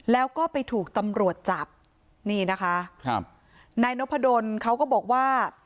แล้วก็ไปถูกตำรวจจับนี่นะคะครับนายนพดลเขาก็บอกว่า